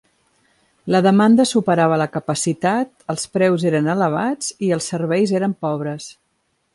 La demanda superava la capacitat, els preus eren elevats i els serveis eren pobres.